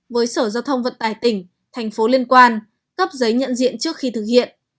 với sở giao thông vận tải tỉnh thành phố liên quan cấp giấy nhận diện trước khi thực hiện